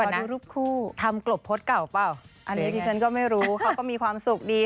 เดี๋ยวก่อนนะทำกลบพดเก่าเปล่าอันนี้ที่ฉันก็ไม่รู้เขาก็มีความสุขดี